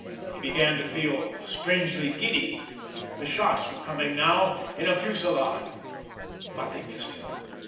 He began to feel strangely giddy. The shots were coming now in a fusillade—but they missed him.